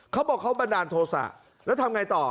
เขาบอกเขาบันดาลโทษะแล้วทำไงต่อ